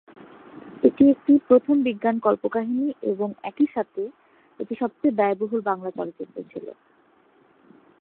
এটি একটি প্রথম বিজ্ঞান কল্পকাহিনী এবং একই সাথে এটি সবচেয়ে ব্যয়বহুল বাংলা চলচ্চিত্র ছিল।